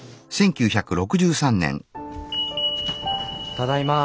ただいま。